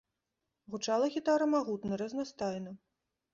Гучала гітара магутна, разнастайна.